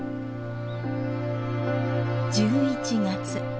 １１月。